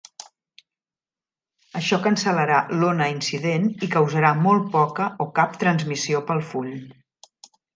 Això cancel·larà l'ona incident i causarà molt poca o cap transmissió pel full.